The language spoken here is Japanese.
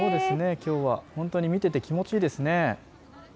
きょうは本当に見ていて気持ちがいいですね。